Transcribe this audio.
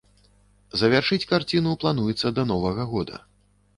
Завяршыць карціну плануецца да новага года.